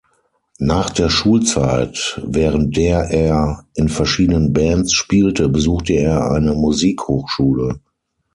Nach der Schulzeit, während der er in verschiedenen Bands spielte, besuchte er eine Musikhochschule.